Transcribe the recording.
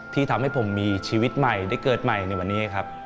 ที่ทำให้ผมมีชีวิตใหม่ได้เกิดใหม่ในวันนี้ครับ